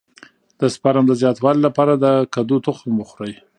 د سپرم د زیاتوالي لپاره د کدو تخم وخورئ